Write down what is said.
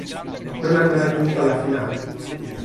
Non hanno raggiunto la finale.